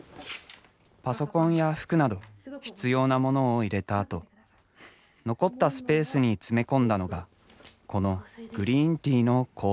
パソコンや服など必要なモノを入れたあと残ったスペースに詰め込んだのがこのグリーンティーの香水だった。